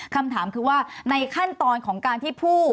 คำถามคือว่าในขั้นตอนของการที่ผู้